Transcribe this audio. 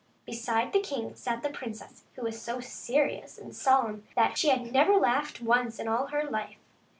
Beside the king sat the princess, who was so serious and solemn that she had never laughed once in all her life.